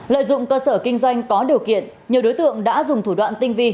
lợi dụng cơ sở kinh doanh có điều kiện nhiều đối tượng đã dùng thủ đoạn tinh vi